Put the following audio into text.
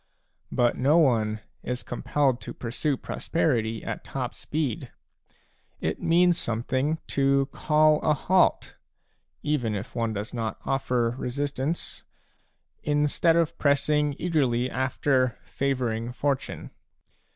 But no one is compelled to pursue prosperity at top speed ; it means some thing to call a halt, — even if one does not offer re sistance, — instead of pressing eagerly after favouring fortune.